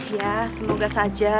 ya semoga saja